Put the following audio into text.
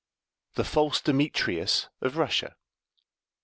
THE FALSE DEMETRIUS OF RUSSIA.